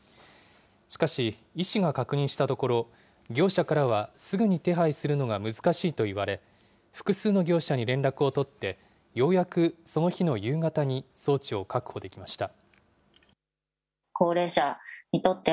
しかし、医師が確認したところ、業者からはすぐに手配するのが難しいと言われ、複数の業者に連絡を取って、ようやくその日の夕方に装置を確保できました。